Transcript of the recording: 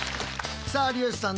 さあ有吉さん